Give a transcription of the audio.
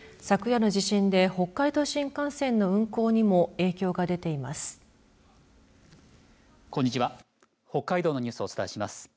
昨夜の地震で北海道新幹線の運行にも影響が出ています。